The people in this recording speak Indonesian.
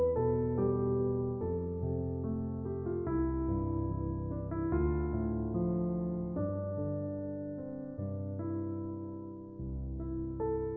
pakai kita menggalakkan